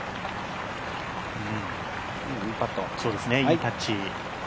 いいタッチ。